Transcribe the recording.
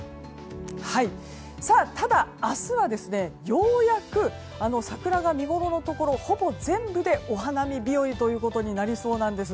ただ、明日はようやく桜が見ごろのところほぼ全部でお花見日和ということになりそうです。